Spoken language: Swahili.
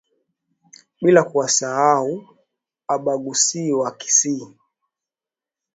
bila kuwasahau Abhaghusii Wakisii